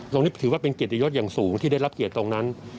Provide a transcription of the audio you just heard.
ถือว่าเป็นเกียรติยศอย่างสูงที่ได้รับเกียรติตรงนั้น